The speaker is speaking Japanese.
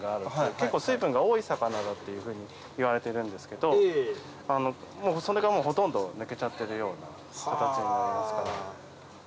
結構水分が多い魚だっていわれてるんですけどそれがほとんど抜けちゃってるような形になりますから。